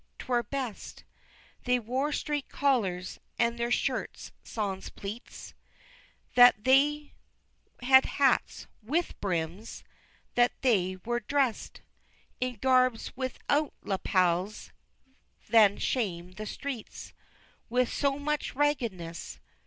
'Twere best They wore straight collars, and their shirts sans pleats; That they had hats with brims, that they were drest In garbs without lappels than shame the streets With so much raggedness.